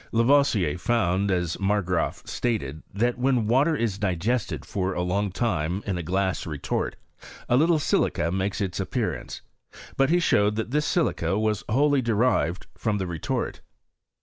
Lavoisier found, as Mar srraaf stated, that when water is digested for a long time in a glass retort, a little sihca makes its ap pearance ; but he showed that this silica was wholly derived from the retort.